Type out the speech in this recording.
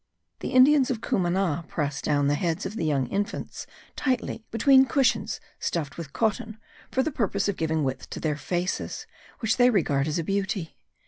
[The Indians of Cumana press down the heads of young infants tightly between cushions stuffed with cotton for the purpose of giving width to their faces, which they regard as a beauty.